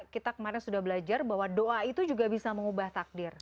kita kemarin sudah belajar bahwa doa itu juga bisa mengubah takdir